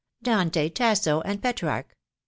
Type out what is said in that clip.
c< Dante, Tasso, and Petrarch